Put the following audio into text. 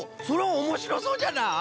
それはおもしろそうじゃな。